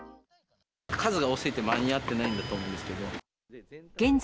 数が多すぎて、間に合ってないんだと思うんですけど。